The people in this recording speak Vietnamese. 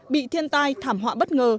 bị thiên tai thảm họa bất ngờ